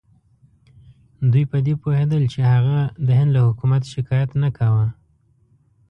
دوی په دې پوهېدل چې هغه د هند له حکومت شکایت نه کاوه.